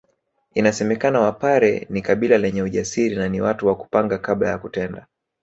Inasemekana Wapare ni kabila lenye ujasiri na ni watu wa kupanga kabla ya kutenda